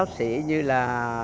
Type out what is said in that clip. các giáo sĩ như là